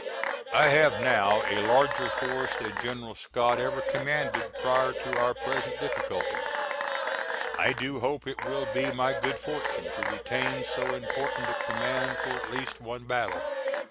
I have now a larger force than General Scott ever commanded prior to our present difficulties. I do hope it will be my good fortune to retain so important a command for at least one battle.